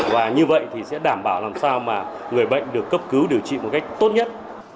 và như vậy thì sẽ đảm bảo làm sao mà người bệnh được cấp cứu điều trị một cách tốt nhất